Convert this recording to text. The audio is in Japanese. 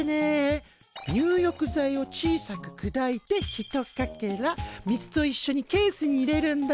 入浴剤を小さくくだいてひとかけら水といっしょにケースに入れるんだ。